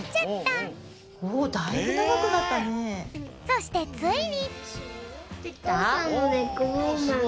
そしてついに！